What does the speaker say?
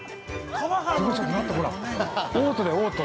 ◆待って、ほら、オートだよ、オート。